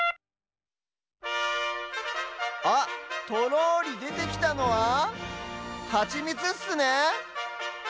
あっとろりでてきたのはハチミツっすね。